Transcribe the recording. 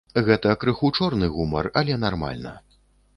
Гэта крыху чорны гумар, але нармальна.